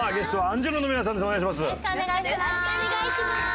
よろしくお願いします！